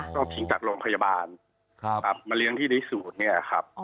ต้องทิ้งจากโรงพยาบาลมาเลี้ยงที่ในศูนย์